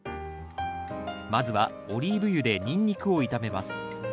まずはオリーブ油でニンニクを炒めます